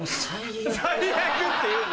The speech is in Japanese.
「最悪」って言うな！